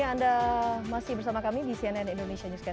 ya anda masih bersama kami di cnn indonesia newscast